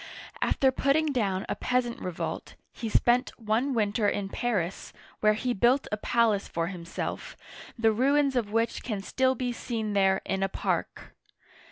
After putting down a peasant revolt, he spent one winter in Paris, where he built a palace for him self, the ruins of which can still be seen there in a park.